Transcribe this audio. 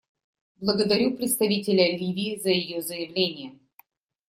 Благодарю представителя Ливии за ее заявление.